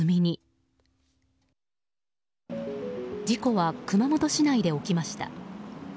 事故は熊本市内で起きました。